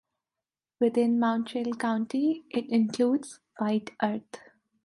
Within Mountrail County it includes White Earth.